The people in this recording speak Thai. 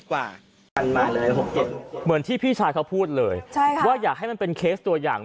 ว่าอยากให้มันเป็นเคสตัวอย่าง